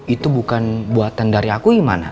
itu bukan buatan dari aku gimana